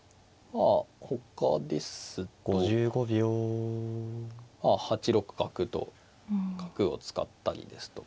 あほかですと８六角と角を使ったりですとか。